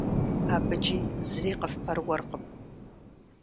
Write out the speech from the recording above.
АбыкӀи зыри къыфпэрыуэркъым.